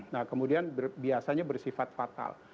nah kemudian biasanya bersifat fatal